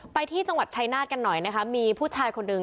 ไปที่จังหวัดชายนาฏกันหน่อยนะคะมีผู้ชายคนหนึ่ง